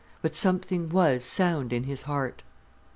But something was sound in his heart.